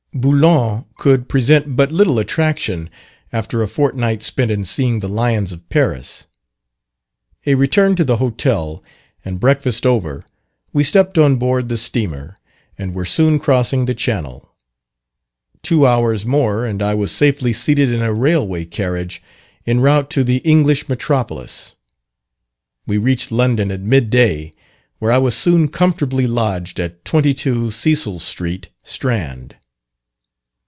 Boulogne could present but little attraction, after a fortnight spent in seeing the lions of Paris. A return to the hotel, and breakfast over, we stepped on board the steamer, and were soon crossing the channel. Two hours more, and I was safely seated in a railway carriage, en route to the English metropolis. We reached London at mid day, where I was soon comfortably lodged at 22, Cecil Street, Strand.